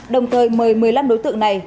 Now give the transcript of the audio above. đồng thời mời một mươi năm đối tượng này